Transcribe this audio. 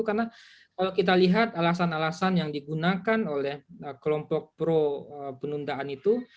karena kalau kita lihat alasan alasan yang digunakan oleh kelompok pro penundaan itu